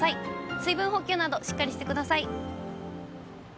水分補給など、しっかりしてください。